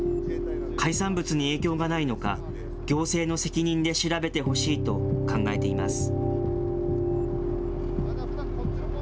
海産物に影響がないのか、行政の責任で調べてほしいと考えています。